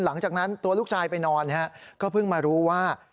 หลังจากนั้นตัวลูกชายไปนอนก็เพิ่งมารู้ว่า